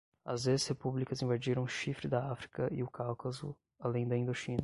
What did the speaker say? As ex-repúblicas invadiram o Chifre da África e o Cáucaso, além da Indochina